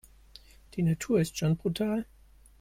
Die Natur ist schon brutal.